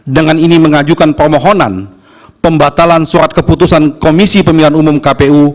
dengan ini mengajukan permohonan pembatalan surat keputusan komisi pemilihan umum kpu